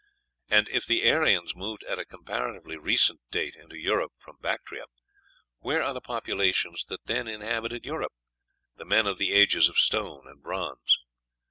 And if the Aryans moved at a comparatively recent date into Europe from Bactria, where are the populations that then inhabited Europe the men of the ages of stone and bronze?